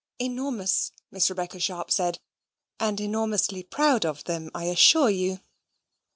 "Enormous," Miss Rebecca Sharp said, "and enormously proud of them, I assure you."